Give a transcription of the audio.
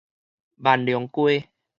萬隆街